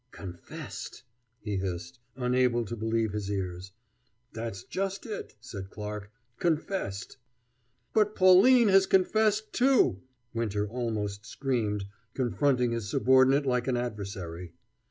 "Confessed!" he hissed, unable to believe his ears. "That's just it," said Clarke "confessed!" "But Pauline has confessed, too!" Winter almost screamed, confronting his subordinate like an adversary.